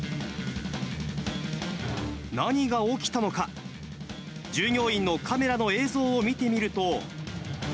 何が起きたのか、従業員のカメラの映像を見てみると。